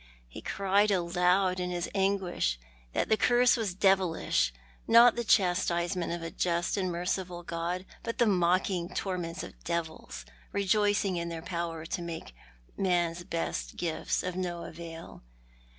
He cried aloud in his anguish that the curse was devilish, not the chastisement of a just and merciful God, but the mocking torment of devils rejoicing in their power to make man's best gifts of no avail.